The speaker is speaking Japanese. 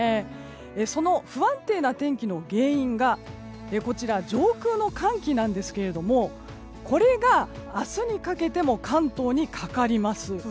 その不安定な天気の原因が上空の寒気なんですけどこれが、明日にかけても関東にかかります。